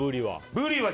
ブリは。